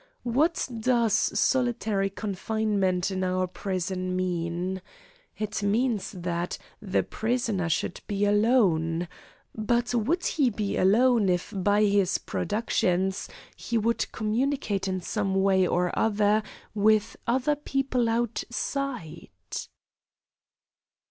What does solitary confinement in our prison mean? It means that the prisoner should be alone. But would he be alone if by his productions he would communicate in some way or other with other people outside?"